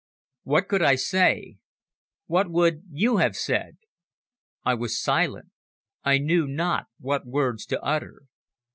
What could I say? What would you have said? I was silent. I knew not what words to utter.